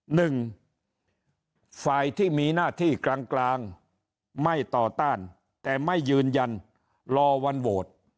หนึ่งฝ่ายที่มีหน้าที่กลางกลางไม่ต่อต้านแต่ไม่ยืนยันรอวันโหวต